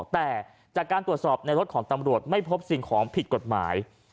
แต่จากการตรวจสอบในรถของตำรวจไม่พบสิ่งของผิดกฎหมาย